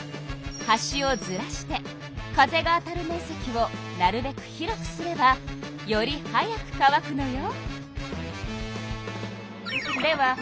端をずらして風が当たる面積をなるべく広くすればより早く乾くのよ。